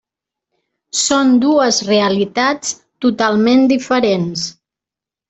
Són dues realitats totalment diferents.